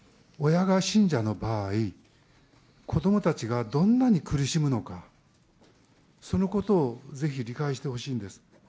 親が信者の場合、子どもたちがどんなに苦しむのか、そのことをぜひ理解してほしいんです。